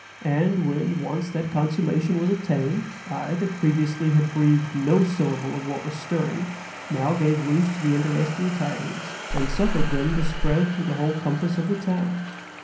And, when once that consummation was attained, I, that previously had breathed no syllable of what was stirring, now gave loose to the interesting tidings, and suffered them to spread through the whole compass of the town.